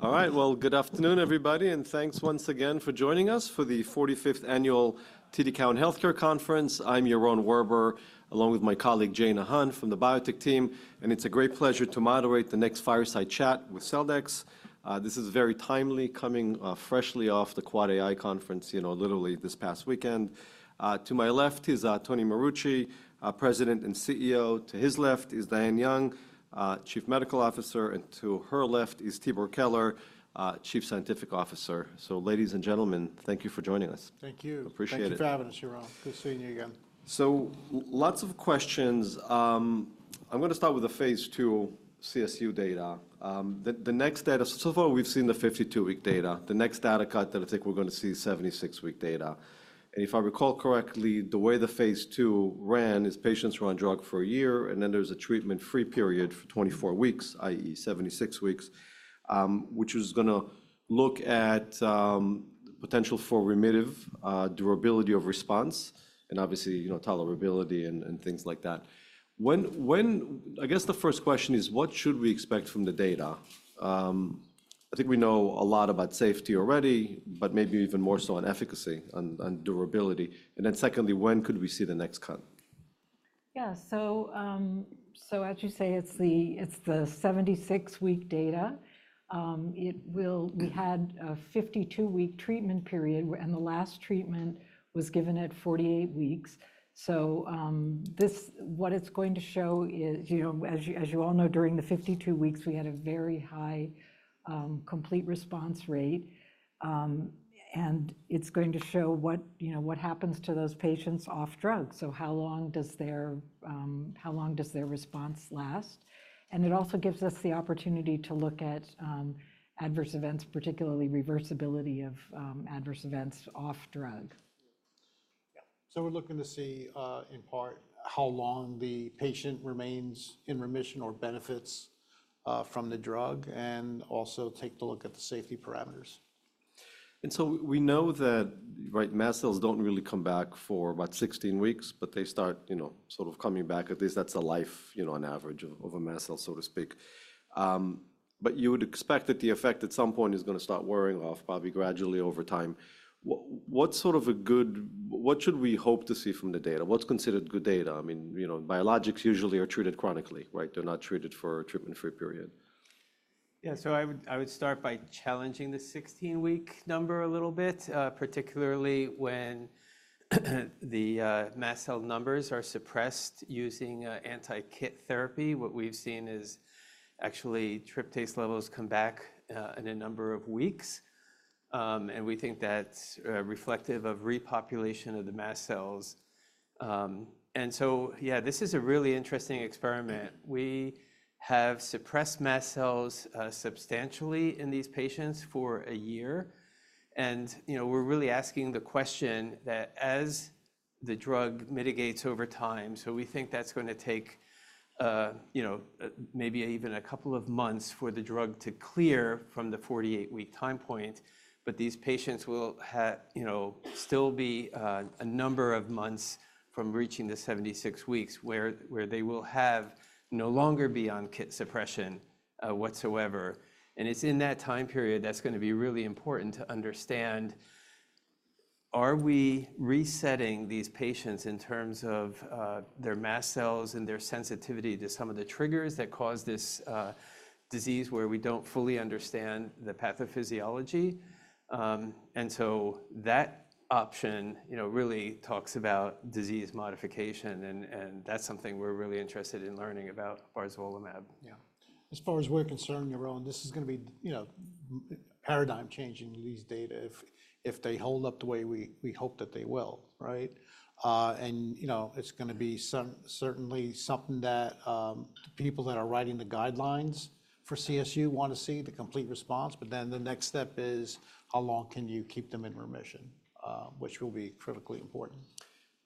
All right, good afternoon, everybody, and thanks once again for joining us for the 45th Annual TD Cowen Healthcare Conference. I'm Yaron Werber, along with my colleague Jane Hun from the biotech team, and it's a great pleasure to moderate the next fireside chat with Celldex. This is very timely, coming freshly off the Quad AI Conference, you know, literally this past weekend. To my left is Tony Marucci, President and CEO. To his left is Diane Young, Chief Medical Officer, and to her left is Tibor Keler, Chief Scientific Officer. Ladies and gentlemen, thank you for joining us. Thank you. Appreciate it. Thank you for having us, Yaron. Good seeing you again. Lots of questions. I'm going to start with the phase II CSU data. The next data, so far we've seen the 52-week data. The next data cut that I think we're going to see is 76-week data. If I recall correctly, the way the phase II ran is patients who are on drug for a year, and then there's a treatment-free period for 24 weeks, i.e., 76 weeks, which was going to look at potential for remissive durability of response and obviously, you know, tolerability and things like that. I guess the first question is, what should we expect from the data? I think we know a lot about safety already, but maybe even more so on efficacy and durability. Secondly, when could we see the next cut? Yeah, so as you say, it's the 76-week data. We had a 52-week treatment period, and the last treatment was given at 48 weeks. What it's going to show is, you know, as you all know, during the 52 weeks, we had a very high complete response rate, and it's going to show what happens to those patients off drugs. How long does their response last? It also gives us the opportunity to look at adverse events, particularly reversibility of adverse events off drug. We're looking to see, in part, how long the patient remains in remission or benefits from the drug, and also take a look at the safety parameters. We know that, right, mast cells do not really come back for about 16 weeks, but they start, you know, sort of coming back. At least that is a life, you know, an average of a mast cell, so to speak. You would expect that the effect at some point is going to start wearing off, probably gradually over time. What sort of a good, what should we hope to see from the data? What is considered good data? I mean, you know, biologics usually are treated chronically, right? They are not treated for a treatment-free period. Yeah, I would start by challenging the 16-week number a little bit, particularly when the mast cell numbers are suppressed using anti-KIT therapy. What we've seen is actually tryptase levels come back in a number of weeks, and we think that's reflective of repopulation of the mast cells. This is a really interesting experiment. We have suppressed mast cells substantially in these patients for a year. You know, we're really asking the question that as the drug mitigates over time, we think that's going to take, you know, maybe even a couple of months for the drug to clear from the 48-week time point, but these patients will have, you know, still be a number of months from reaching the 76 weeks where they will no longer be on KIT suppression whatsoever. It is in that time period that is going to be really important to understand, are we resetting these patients in terms of their mast cells and their sensitivity to some of the triggers that cause this disease where we do not fully understand the pathophysiology? That option, you know, really talks about disease modification, and that is something we are really interested in learning about, as far as omalizumab. As far as we're concerned, Yaron, this is going to be, you know, paradigm-changing, these data if they hold up the way we hope that they will, right? You know, it's going to be certainly something that the people that are writing the guidelines for CSU want to see, the complete response, but then the next step is how long can you keep them in remission, which will be critically important.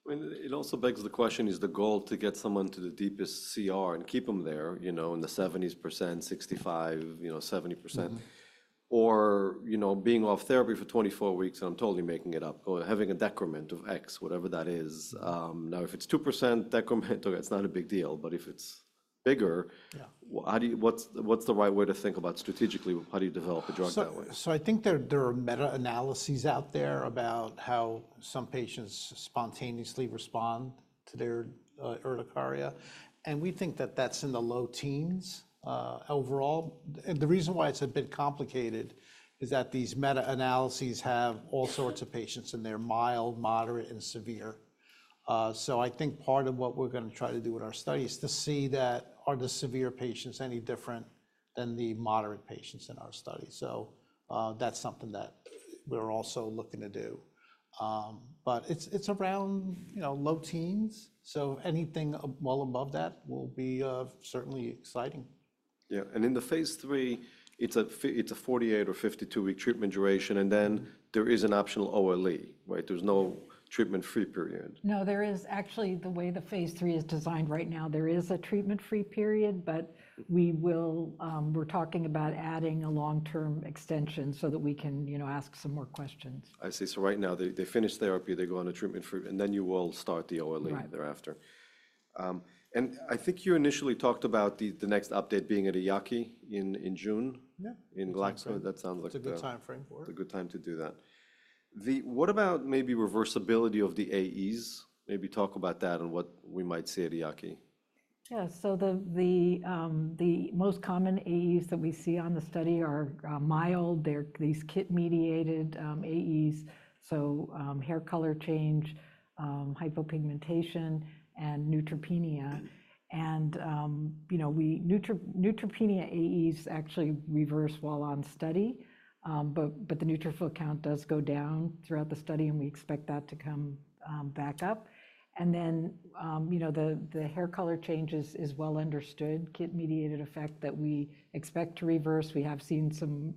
It also begs the question, is the goal to get someone to the deepest CR and keep them there, you know, in the 70%, 65%, you know, 70%, or, you know, being off therapy for 24 weeks, and I'm totally making it up, having a decrement of X, whatever that is. Now, if it's 2% decrement, it's not a big deal, but if it's bigger, what's the right way to think about strategically? How do you develop a drug? I think there are meta-analyses out there about how some patients spontaneously respond to their urticaria, and we think that that's in the low teens overall. The reason why it's a bit complicated is that these meta-analyses have all sorts of patients in there, mild, moderate, and severe. I think part of what we're going to try to do with our study is to see that, are the severe patients any different than the moderate patients in our study? That's something that we're also looking to do. It's around, you know, low teens. Anything well above that will be certainly exciting. Yeah, and in the phase III, it's a 48 or 52-week treatment duration, and then there is an optional OLE, right? There's no treatment-free period. No, there is actually, the way the phase III is designed right now, there is a treatment-free period, but we're talking about adding a long-term extension so that we can, you know, ask some more questions. I see. Right now, they finish therapy, they go on a treatment-free, and then you will start the OLE thereafter. I think you initially talked about the next update being at EAACI in June, in Glasgow. That sounds like a good time frame for it. A good time to do that. What about maybe reversibility of the AEs? Maybe talk about that and what we might see at EAACI. Yeah, the most common AEs that we see on the study are mild. They're these KIT-mediated AEs, so hair color change, hypopigmentation, and neutropenia. You know, neutropenia AEs actually reverse while on study, but the neutrophil count does go down throughout the study, and we expect that to come back up. You know, the hair color change is a well understood, KIT-mediated effect that we expect to reverse. We have seen some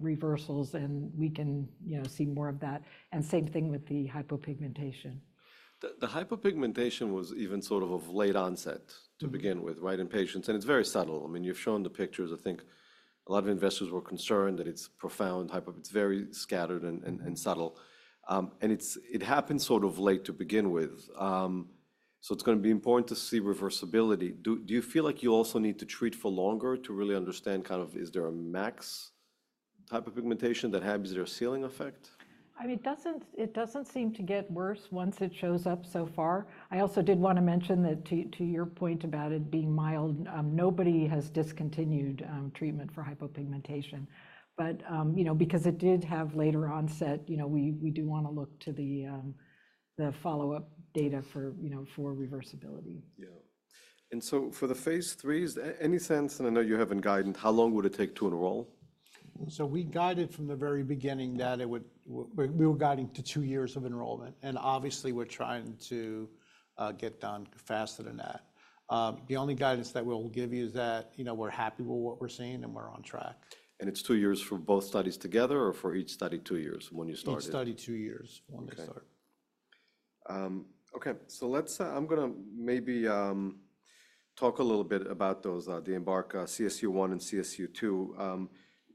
reversals, and we can, you know, see more of that. Same thing with the hypopigmentation. The hypopigmentation was even sort of late onset to begin with, right, in patients. And it's very subtle. I mean, you've shown the pictures. I think a lot of investors were concerned that it's profound. It's very scattered and subtle. It happened sort of late to begin with. It's going to be important to see reversibility. Do you feel like you also need to treat for longer to really understand kind of, is there a max hypopigmentation that has their ceiling effect? I mean, it doesn't seem to get worse once it shows up so far. I also did want to mention that to your point about it being mild, nobody has discontinued treatment for hypopigmentation. You know, because it did have later onset, you know, we do want to look to the follow-up data for, you know, for reversibility. Yeah. For the phase III, is there any sense, and I know you have in guidance, how long would it take to enroll? We guided from the very beginning that it would, we were guiding to two years of enrollment, and obviously we're trying to get done faster than that. The only guidance that we'll give you is that, you know, we're happy with what we're seeing and we're on track. Is it two years for both studies together or for each study two years when you start? Both studies two years when they start. Okay, so let's, I'm going to maybe talk a little bit about those, the EMBARQ-CSU1 and EMBARQ-CSU2.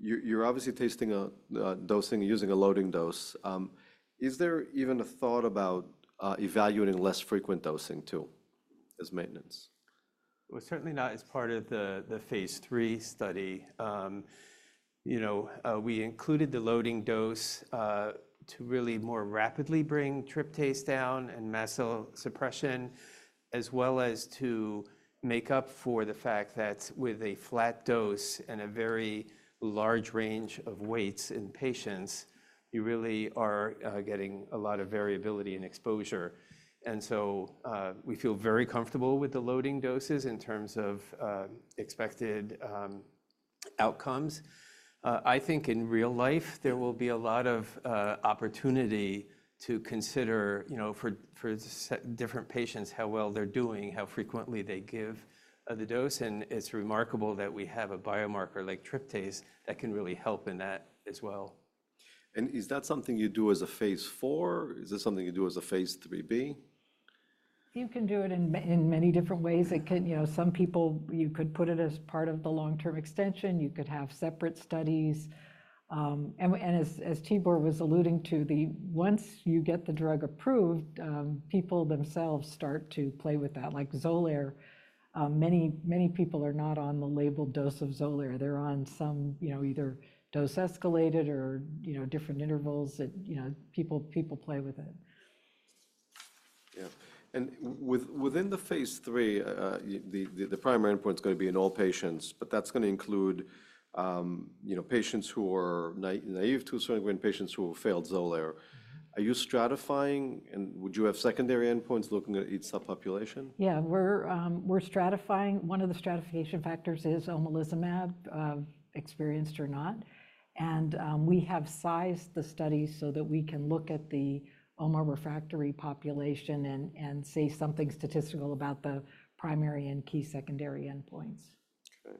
You're obviously testing a dosing using a loading dose. Is there even a thought about evaluating less frequent dosing too as maintenance? Certainly not as part of the phase III study. You know, we included the loading dose to really more rapidly bring tryptase down and mast cell suppression, as well as to make up for the fact that with a flat dose and a very large range of weights in patients, you really are getting a lot of variability in exposure. You know, we feel very comfortable with the loading doses in terms of expected outcomes. I think in real life, there will be a lot of opportunity to consider, you know, for different patients how well they're doing, how frequently they give the dose. It is remarkable that we have a biomarker like tryptase that can really help in that as well. Is that something you do as a phase IV? Is this something you do as a phase III-B? You can do it in many different ways. It can, you know, some people, you could put it as part of the long-term extension. You could have separate studies. As Tibor was alluding to, once you get the drug approved, people themselves start to play with that, like Xolair. Many people are not on the labeled dose of Xolair. They're on some, you know, either dose escalated or, you know, different intervals that, you know, people play with it. Yeah. Within the phase III, the primary endpoint is going to be in all patients, but that's going to include, you know, patients who are naive to certain patients who failed Xolair. Are you stratifying and would you have secondary endpoints looking at each subpopulation? Yeah, we're stratifying. One of the stratification factors is omalizumab, experienced or not. We have sized the studies so that we can look at the omalizumab refractory population and say something statistical about the primary and key secondary endpoints. Okay.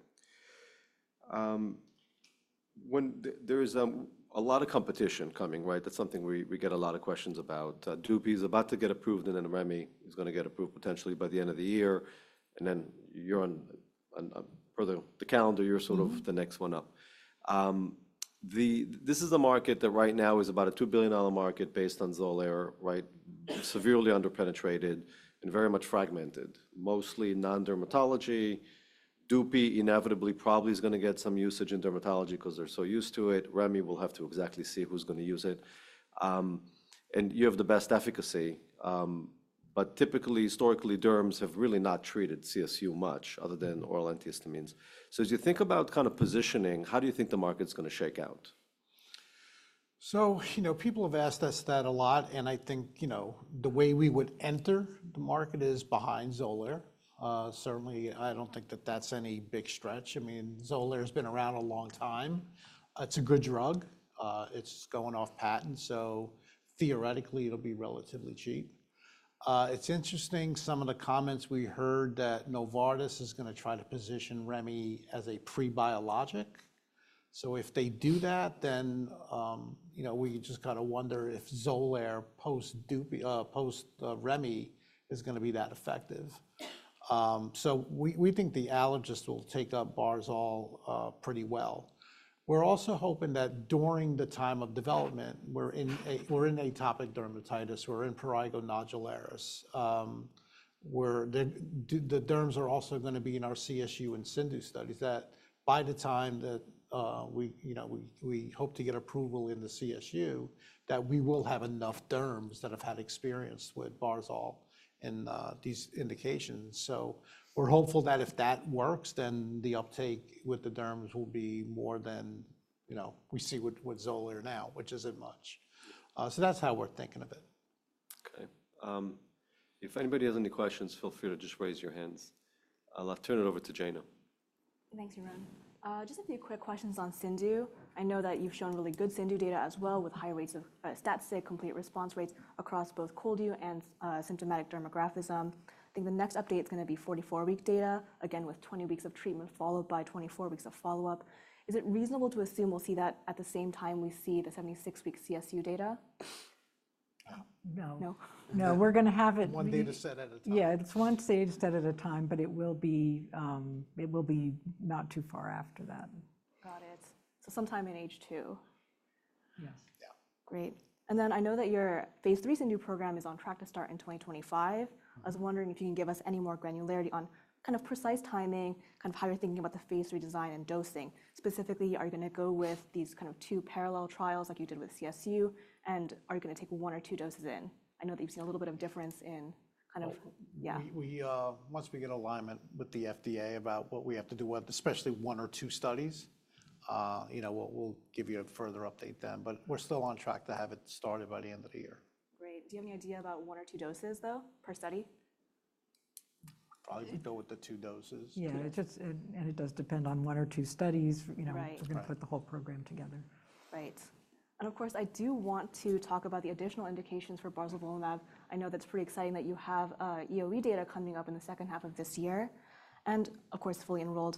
When there's a lot of competition coming, right? That's something we get a lot of questions about. Dupi is about to get approved and Remi is going to get approved potentially by the end of the year. You are on further the calendar, you're sort of the next one up. This is a market that right now is about a $2 billion market based on Xolair, right? Severely underpenetrated and very much fragmented, mostly non-dermatology. Dupi inevitably probably is going to get some usage in dermatology because they're so used to it. Remi will have to exactly see who's going to use it. You have the best efficacy. Typically, historically, derms have really not treated CSU much other than oral antihistamines. As you think about kind of positioning, how do you think the market's going to shake out? You know, people have asked us that a lot. I think, you know, the way we would enter the market is behind Xolair. Certainly, I do not think that that is any big stretch. I mean, Xolair has been around a long time. It is a good drug. It is going off patent. So theoretically, it will be relatively cheap. It is interesting, some of the comments we heard that Novartis is going to try to position Remi as a pre-biologic. If they do that, then, you know, we just kind of wonder if Xolair post Remi is going to be that effective. We think the allergist will take up Barzol pretty well. We are also hoping that during the time of development, we are in atopic dermatitis. We are in prurigo nodularis. The derms are also going to be in our CSU and CIndU studies that by the time that we, you know, we hope to get approval in the CSU, that we will have enough derms that have had experience with Barzol in these indications. You know, we're hopeful that if that works, then the uptake with the derms will be more than, you know, we see with Xolair now, which isn't much. That's how we're thinking of it. Okay. If anybody has any questions, feel free to just raise your hands. I'll turn it over to Jane. Thanks, Yaron. Just a few quick questions on CIndU. I know that you've shown really good CIndU data as well with high rates of statistic complete response rates across both ColdU and symptomatic dermographism. I think the next update is going to be 44-week data, again with 20 weeks of treatment followed by 24 weeks of follow-up. Is it reasonable to assume we'll see that at the same time we see the 76-week CSU data? No. No, we're going to have it. One data set at a time. Yeah, it's one stage set at a time, but it will be not too far after that. Got it. Sometime in age two. Yeah. Great. I know that your phase III CIndU program is on track to start in 2025. I was wondering if you can give us any more granularity on kind of precise timing, kind of how you're thinking about the phase III design and dosing. Specifically, are you going to go with these kind of two parallel trials like you did with CSU? Are you going to take one or two doses in? I know that you've seen a little bit of difference in kind of, yeah. Once we get alignment with the FDA about what we have to do with, especially one or two studies, you know, we'll give you a further update then. We are still on track to have it started by the end of the year. Great. Do you have any idea about one or two doses though per study? Probably go with the two doses. Yeah, and it does depend on one or two studies, you know, if we're going to put the whole program together. Right. I do want to talk about the additional indications for barzolvolimab. I know that's pretty exciting that you have EoE data coming up in the second half of this year. Of course, fully enrolled.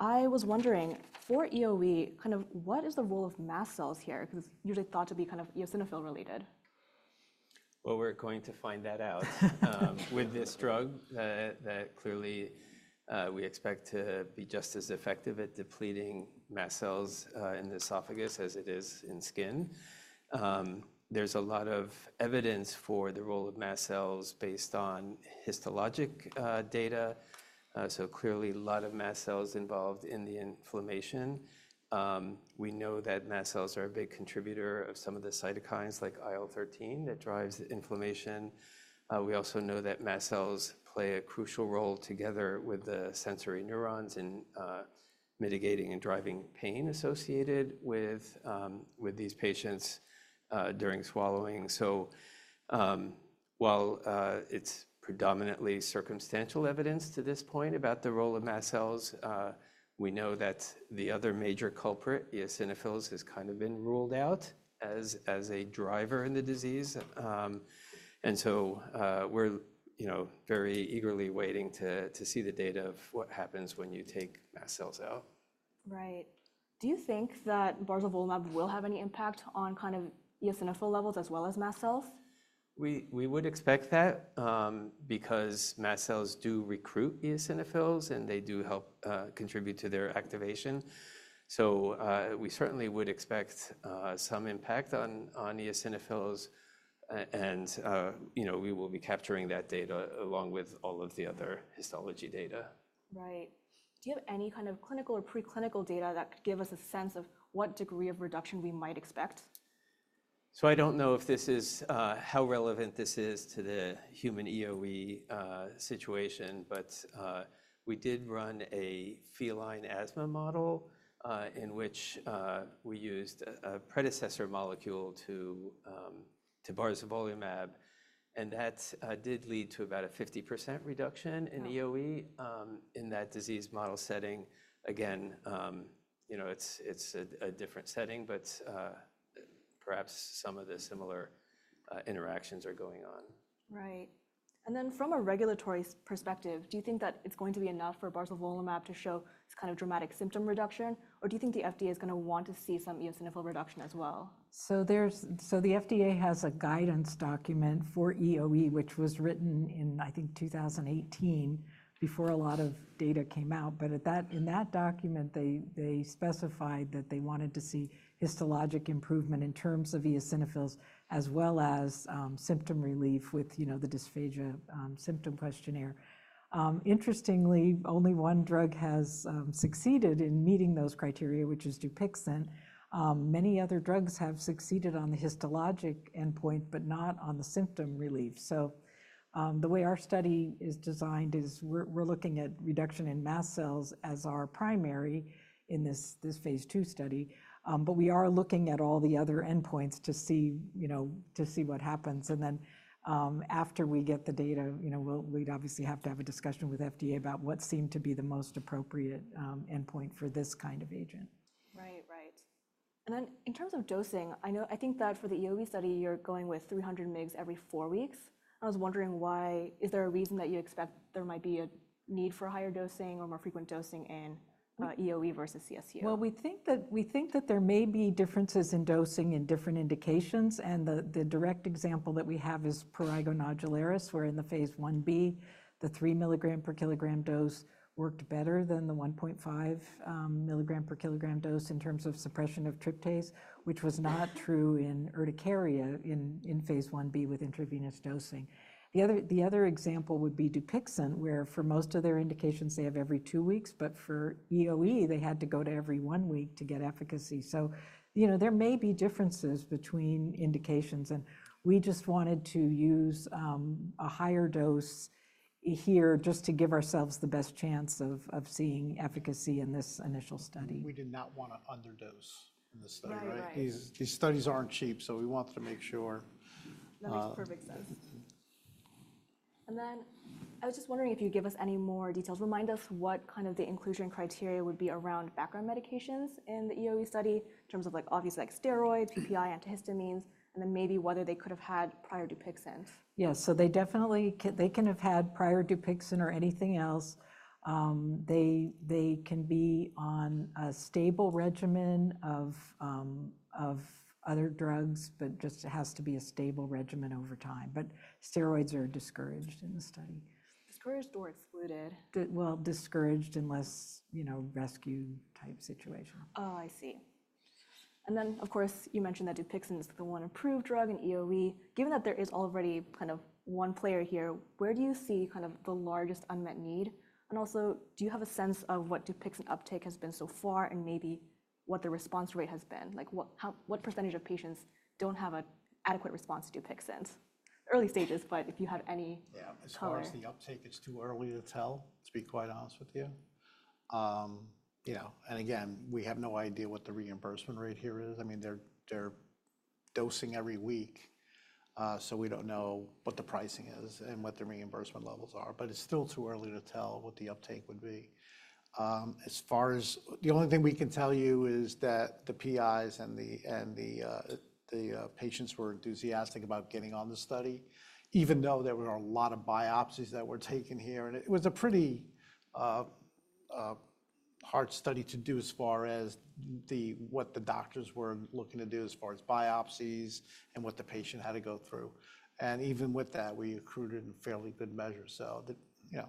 I was wondering for EoE, kind of what is the role of mast cells here? Because usually thought to be kind of eosinophil related. We're going to find that out with this drug that clearly we expect to be just as effective at depleting mast cells in the esophagus as it is in skin. There's a lot of evidence for the role of mast cells based on histologic data. Clearly a lot of mast cells involved in the inflammation. We know that mast cells are a big contributor of some of the cytokines like IL-13 that drives inflammation. We also know that mast cells play a crucial role together with the sensory neurons in mitigating and driving pain associated with these patients during swallowing. While it's predominantly circumstantial evidence to this point about the role of mast cells, we know that the other major culprit, eosinophils, has kind of been ruled out as a driver in the disease. We're, you know, very eagerly waiting to see the data of what happens when you take mast cells out. Right. Do you think that barzolvolimab will have any impact on kind of eosinophil levels as well as mast cells? We would expect that because mast cells do recruit eosinophils and they do help contribute to their activation. You know, we will be capturing that data along with all of the other histology data. Right. Do you have any kind of clinical or preclinical data that could give us a sense of what degree of reduction we might expect? I don't know if this is how relevant this is to the human EoE situation, but we did run a feline asthma model in which we used a predecessor molecule to barzolvolimab. That did lead to about a 50% reduction in EoE in that disease model setting. Again, you know, it's a different setting, but perhaps some of the similar interactions are going on. Right. From a regulatory perspective, do you think that it's going to be enough for barzolvolimab to show kind of dramatic symptom reduction? Or do you think the FDA is going to want to see some eosinophil reduction as well? The FDA has a guidance document for EoE, which was written in, I think, 2018 before a lot of data came out. In that document, they specified that they wanted to see histologic improvement in terms of eosinophils as well as symptom relief with, you know, the dysphagia symptom questionnaire. Interestingly, only one drug has succeeded in meeting those criteria, which is Dupixent. Many other drugs have succeeded on the histologic endpoint, but not on the symptom relief. The way our study is designed is we're looking at reduction in mast cells as our primary in this phase II study. We are looking at all the other endpoints to see, you know, to see what happens. After we get the data, you know, we'd obviously have to have a discussion with FDA about what seemed to be the most appropriate endpoint for this kind of agent. Right, right. In terms of dosing, I know I think that for the EoE study, you're going with 300 mg every four weeks. I was wondering why, is there a reason that you expect there might be a need for higher dosing or more frequent dosing in EoE versus CSU? We think that there may be differences in dosing in different indications. The direct example that we have is prurigo nodularis, where in the phase I-B, the 3 mg per kg dose worked better than the 1.5 mg per kg dose in terms of suppression of tryptase, which was not true in urticaria in phase I-B with intravenous dosing. The other example would be Dupixent, where for most of their indications, they have every two weeks, but for EoE, they had to go to every one week to get efficacy. You know, there may be differences between indications. We just wanted to use a higher dose here just to give ourselves the best chance of seeing efficacy in this initial study. We did not want to underdose in this study, right? These studies aren't cheap, so we wanted to make sure. That makes perfect sense. I was just wondering if you'd give us any more details. Remind us what kind of the inclusion criteria would be around background medications in the EoE study in terms of like obviously like steroids, PPI, antihistamines, and then maybe whether they could have had prior Dupixent. Yeah, so they definitely, they can have had prior Dupixent or anything else. They can be on a stable regimen of other drugs, just it has to be a stable regimen over time. Steroids are discouraged in the study. Discouraged or excluded? Discouraged unless, you know, rescue type situation. Oh, I see. You mentioned that Dupixent is the one approved drug in EoE. Given that there is already kind of one player here, where do you see kind of the largest unmet need? Also, do you have a sense of what Dupixent uptake has been so far and maybe what the response rate has been? Like what percentage of patients don't have an adequate response to Dupixent? Early stages, but if you have any tolerance. As far as the uptake, it's too early to tell, to be quite honest with you. You know, and again, we have no idea what the reimbursement rate here is. I mean, they're dosing every week. We don't know what the pricing is and what the reimbursement levels are. It's still too early to tell what the uptake would be. As far as the only thing we can tell you is that the PIs and the patients were enthusiastic about getting on the study, even though there were a lot of biopsies that were taken here. It was a pretty hard study to do as far as what the doctors were looking to do as far as biopsies and what the patient had to go through. Even with that, we accrued it in fairly good measure. You know,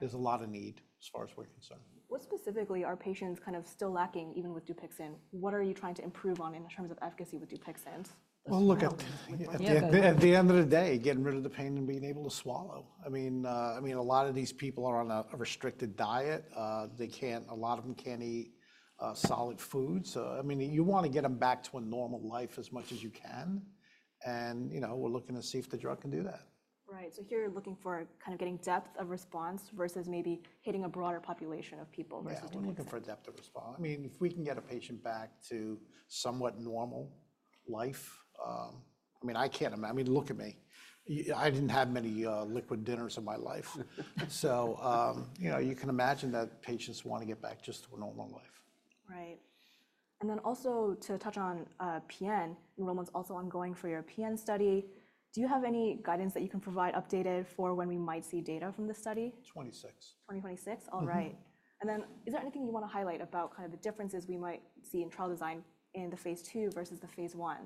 there's a lot of need as far as we're concerned. What specifically are patients kind of still lacking even with Dupixent? What are you trying to improve on in terms of efficacy with Dupixent? At the end of the day, getting rid of the pain and being able to swallow. I mean, a lot of these people are on a restricted diet. They can't, a lot of them can't eat solid foods. I mean, you want to get them back to a normal life as much as you can. And, you know, we're looking to see if the drug can do that. Right. So here you're looking for kind of getting depth of response versus maybe hitting a broader population of people versus Dupixent. Yeah, we're looking for depth of response. I mean, if we can get a patient back to somewhat normal life, I mean, I can't imagine, I mean, look at me. I didn't have many liquid dinners in my life. You know, you can imagine that patients want to get back just to a normal life. Right. Also, to touch on PN, enrollment's also ongoing for your PN study. Do you have any guidance that you can provide updated for when we might see data from the study? 2026. 2026, all right. Is there anything you want to highlight about kind of the differences we might see in trial design in the phase II versus the phase I?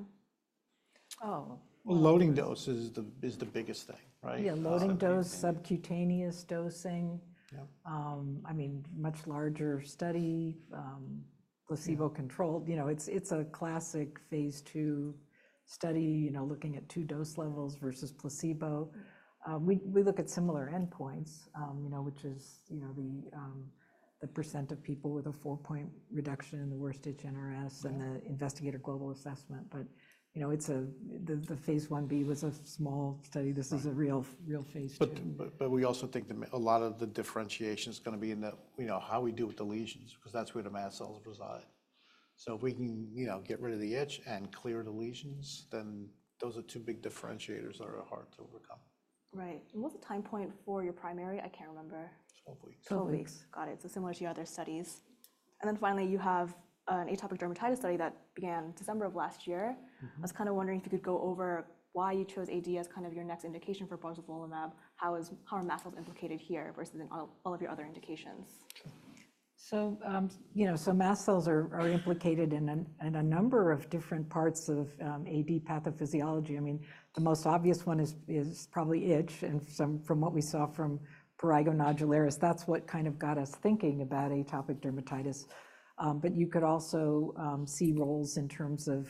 Oh. Loading dose is the biggest thing, right? Yeah, loading dose, subcutaneous dosing. I mean, much larger study, placebo controlled, you know, it's a classic phase II study, you know, looking at two dose levels versus placebo. We look at similar endpoints, you know, which is, you know, the percent of people with a four-point reduction in the Worst-Itch NRS and the Investigator Global Assessment. I mean, it's a, the phase I-B was a small study. This is a real phase. We also think a lot of the differentiation is going to be in the, you know, how we deal with the lesions, because that's where the mast cells reside. So if we can, you know, get rid of the itch and clear the lesions, then those are two big differentiators that are hard to overcome. Right. What's the time point for your primary? I can't remember. 12 weeks. 12 weeks, got it. Similar to your other studies. Finally, you have an atopic dermatitis study that began December of last year. I was kind of wondering if you could go over why you chose AD as kind of your next indication for barzolvolimab, how are mast cells implicated here versus in all of your other indications? You know, mast cells are implicated in a number of different parts of AD pathophysiology. I mean, the most obvious one is probably itch and from what we saw from prurigo nodularis, that's what kind of got us thinking about atopic dermatitis. You could also see roles in terms of,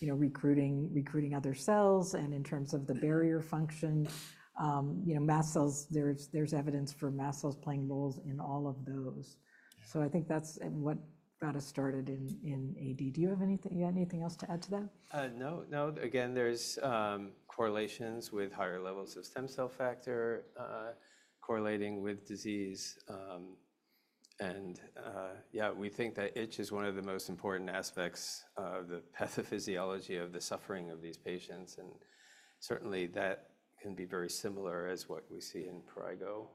you know, recruiting other cells and in terms of the barrier function. You know, mast cells, there's evidence for mast cells playing roles in all of those. I think that's what got us started in AD. Do you have anything, anything else to add to that? No, no. Again, there's correlations with higher levels of stem cell factor correlating with disease. Yeah, we think that itch is one of the most important aspects of the pathophysiology of the suffering of these patients. Certainly that can be very similar as what we see in prurigo.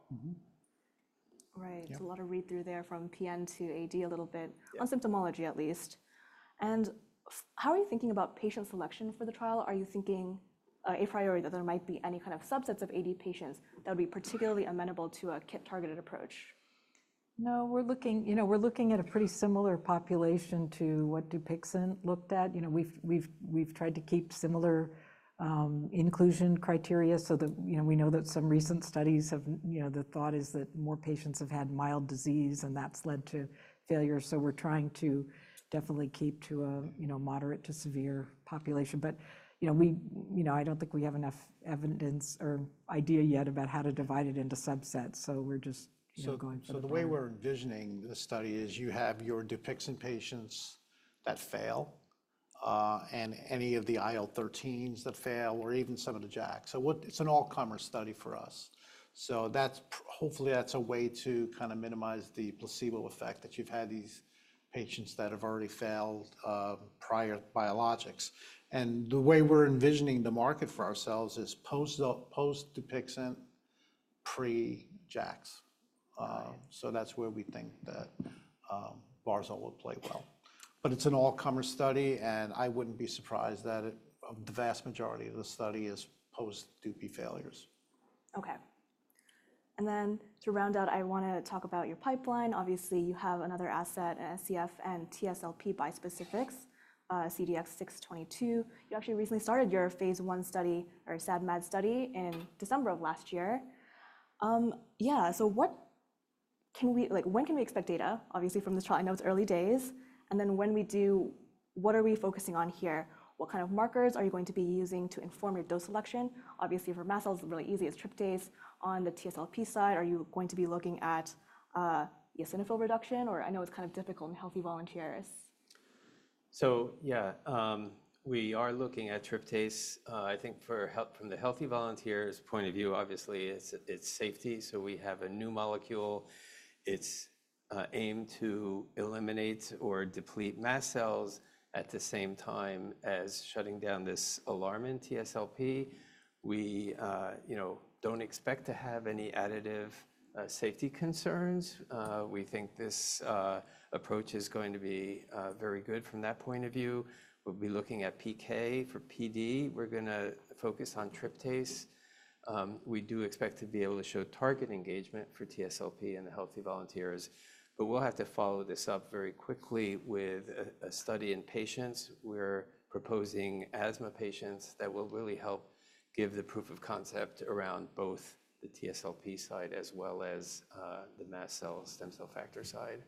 Right. There's a lot of read-through there from PN to AD a little bit, on symptomology at least. How are you thinking about patient selection for the trial? Are you thinking a priori that there might be any kind of subsets of AD patients that would be particularly amenable to a KIT-targeted approach? No, we're looking, you know, we're looking at a pretty similar population to what Dupixent looked at. You know, we've tried to keep similar inclusion criteria. You know, we know that some recent studies have, you know, the thought is that more patients have had mild disease and that's led to failure. We're trying to definitely keep to a, you know, moderate to severe population. You know, I don't think we have enough evidence or idea yet about how to divide it into subsets. We're just going from. The way we're envisioning the study is you have your Dupixent patients that fail and any of the IL-13s that fail or even some of the JAKs. It is an all-comers study for us. Hopefully, that is a way to kind of minimize the placebo effect, that you've had these patients that have already failed prior biologics. The way we're envisioning the market for ourselves is post-Dupixent, pre-JAKs. That is where we think that barzol would play well. It is an all-comers study and I would not be surprised if the vast majority of the study is post-dupi failures. Okay. And then to round out, I want to talk about your pipeline. Obviously, you have another asset, SCF and TSLP bispecifics, CDX-622. You actually recently started your phase I study or SAD-MAD study in December of last year. Yeah, so what can we, like, when can we expect data, obviously, from this trial? I know it's early days. And then when we do, what are we focusing on here? What kind of markers are you going to be using to inform your dose selection? Obviously, for mast cells, it's really easy as tryptase. On the TSLP side, are you going to be looking at eosinophil reduction? Or I know it's kind of difficult in healthy volunteers. Yeah, we are looking at tryptase. I think from the healthy volunteers' point of view, obviously, it's safety. We have a new molecule. It's aimed to eliminate or deplete mast cells at the same time as shutting down this alarm in TSLP. We, you know, don't expect to have any additive safety concerns. We think this approach is going to be very good from that point of view. We'll be looking at PK for PD. We're going to focus on tryptase. We do expect to be able to show target engagement for TSLP in the healthy volunteers. We will have to follow this up very quickly with a study in patients. We're proposing asthma patients that will really help give the proof of concept around both the TSLP side as well as the mast cell stem cell factor side.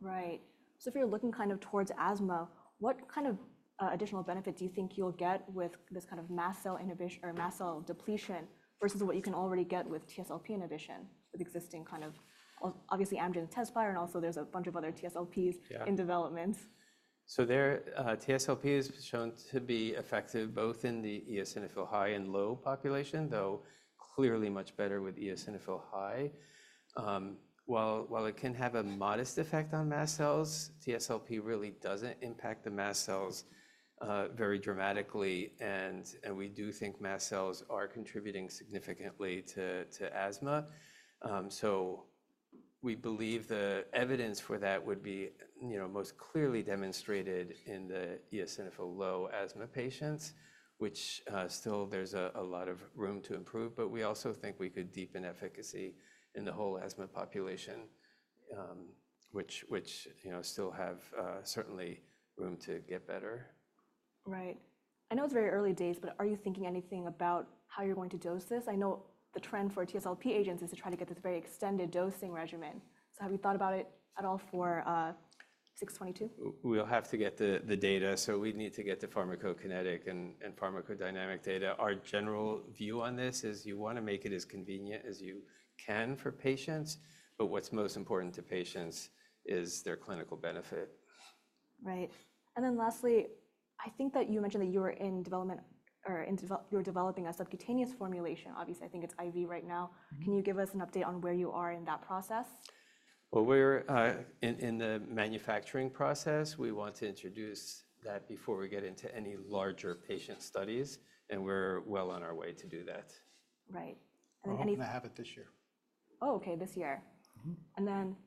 Right. If you're looking kind of towards asthma, what kind of additional benefit do you think you'll get with this kind of mast cell inhibition or mast cell depletion versus what you can already get with TSLP inhibition with existing kind of obviously Amgen and Tezspire, and also there's a bunch of other TSLPs in development. TSLP is shown to be effective both in the eosinophil high and low population, though clearly much better with eosinophil high. While it can have a modest effect on mast cells, TSLP really doesn't impact the mast cells very dramatically. We do think mast cells are contributing significantly to asthma. We believe the evidence for that would be, you know, most clearly demonstrated in the eosinophil low asthma patients, which still there's a lot of room to improve. We also think we could deepen efficacy in the whole asthma population, which, you know, still have certainly room to get better. Right. I know it's very early days, but are you thinking anything about how you're going to dose this? I know the trend for TSLP agents is to try to get this very extended dosing regimen. Have you thought about it at all for CDX-622? We'll have to get the data. We need to get the pharmacokinetic and pharmacodynamic data. Our general view on this is you want to make it as convenient as you can for patients. What is most important to patients is their clinical benefit. Right. Lastly, I think that you mentioned that you were in development or you're developing a subcutaneous formulation. Obviously, I think it's IV right now. Can you give us an update on where you are in that process? We're in the manufacturing process. We want to introduce that before we get into any larger patient studies. And we're well on our way to do that. Right. I'm going to have it this year. Oh, okay, this year.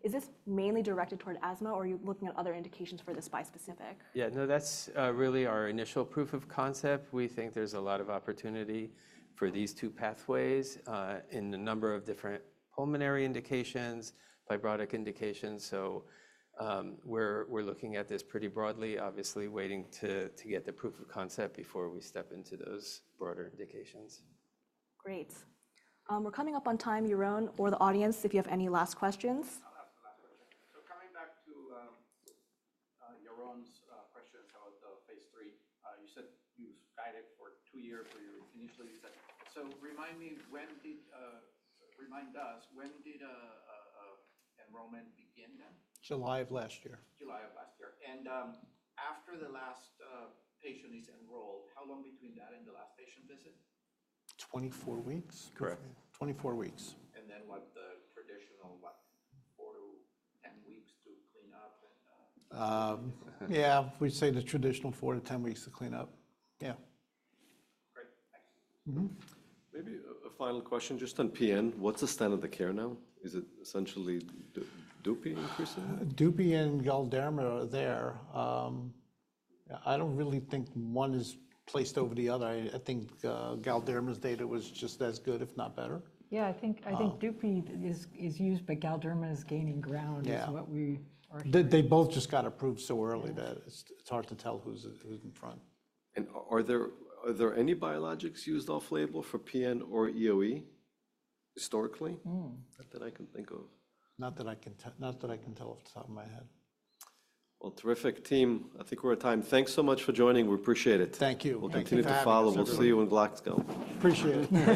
Is this mainly directed toward asthma or are you looking at other indications for this bispecific? Yeah, no, that's really our initial proof of concept. We think there's a lot of opportunity for these two pathways in a number of different pulmonary indications, fibrotic indications. We are looking at this pretty broadly, obviously waiting to get the proof of concept before we step into those broader indications. Great. We're coming up on time, Yaron or the audience, if you have any last questions. Coming back to Yaron's questions, how the phase III, you said you guided for two years where you initially said, so remind me when did. July of last year. July of last year. After the last patient is enrolled, how long between that and the last patient visit? 24 weeks? Correct. 24 weeks. Yeah, we say the traditional four to 10 weeks to clean up. Yeah. Maybe a final question just on PN. What's the standard of care now? Is it essentially dupi increasing? Dupi and Galderma are there. I don't really think one is placed over the other. I think Galderma's data was just as good, if not better. Yeah, I think dupi is used, but Galderma is gaining ground. It's what we are. They both just got approved so early that it's hard to tell who's in front. Are there any biologics used off-label for PN or EoE historically that I can think of? Not that I can tell off the top of my head. Terrific team. I think we're at time. Thanks so much for joining. We appreciate it. Thank you. We'll continue to follow. We'll see you when blocks go. Appreciate it.